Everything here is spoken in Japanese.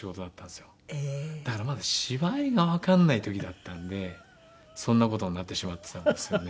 だからまだ芝居がわかんない時だったんでそんな事になってしまってたんですよね。